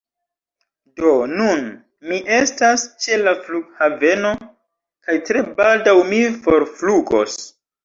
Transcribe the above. Do, nun mi estas ĉe la flughaveno, kaj tre baldaŭ mi forflugos.